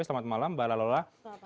selamat malam mbak lalala